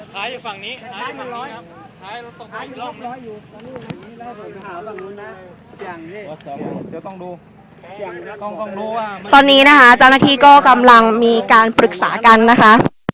ต้องดูต้องดูต้องดูอ่ะตอนนี้นะคะจำณาที่ก็กำลังมีการปรึกษากันนะคะ